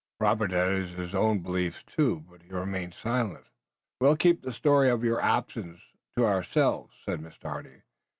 Robert had his own beliefs, too, but he remained silent. "We'll keep the story of your absence to ourselves," said Mr. Hardy.